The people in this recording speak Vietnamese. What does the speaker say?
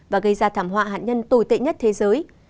và gây ra thảm họa hạt nhân tồi tệ nhất thế giới